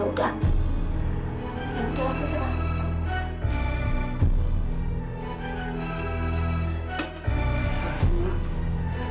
sudah selesai mas